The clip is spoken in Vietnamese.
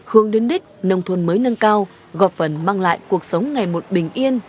hướng đến đích nông thôn mới nâng cao góp phần mang lại cuộc sống ngày một bình yên